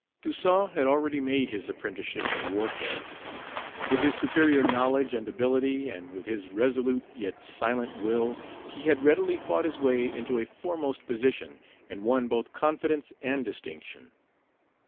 Toussaint had already made his apprenticeship in warfare. With his superior knowledge and ability, and with his resolute yet silent will, he had readily fought his way into a foremost position, and won both confidence and distinction.